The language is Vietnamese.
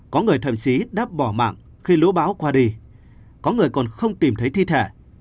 có người thậm chí đáp bỏ mạng khi lũ bão qua đi có người còn không tìm thấy thi thể